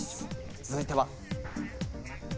続いては。